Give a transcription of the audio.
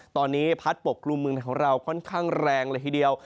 ตอนนี้พัดปกกลุ่มเมืองของเราค่อนข้างแรงเลยทีเดียว